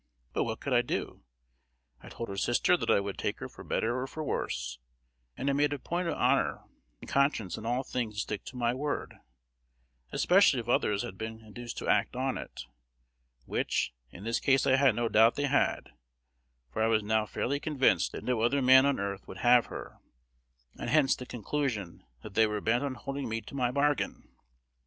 But what could I do? I had told her sister that I would take her for better or for worse; and I made a point of honor and conscience in all things to stick to my word, especially if others had been induced to act on it, which in this case I had no doubt they had; for I was now fairly convinced that no other man on earth would have her, and hence the conclusion that they were bent on holding me to my bargain.